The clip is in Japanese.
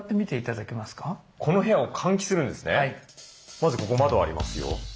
まずここ窓ありますよ。